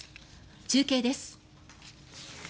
中継です。